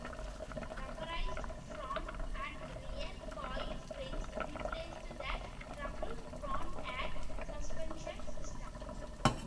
Rubberized front and rear coil springs replaced the trouble prone air suspension system.